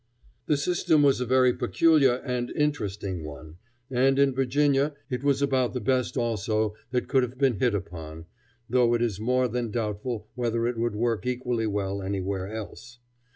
The system was a very peculiar and interesting one, and in Virginia it was about the best also that could have been hit upon, though it is more than doubtful whether it would work equally well anywhere else.